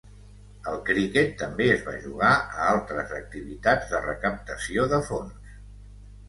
El criquet també es va jugar a altres activitats de recaptació de fons.